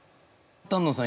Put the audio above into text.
丹野さん